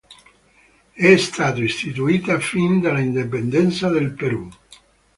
È stato istituita fin dall'indipendenzza del Perù.